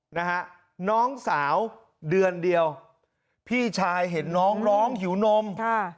นะฮะน้องสาวเดือนเดียวพี่ชายเห็นน้องร้องหิวนมค่ะ